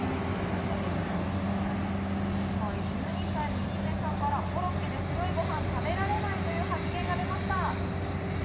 １２歳の娘さんからコロッケで白いご飯、食べられないという発言が出ました。